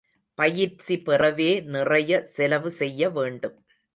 பயிற்சி பெறவே நிறைய செலவு செய்ய வேண்டும்.